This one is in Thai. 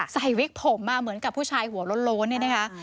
วิกผมมาเหมือนกับผู้ชายหัวโล้นเนี่ยนะคะ